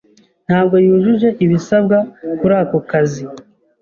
ntabwo yujuje ibisabwa kuri ako kazi.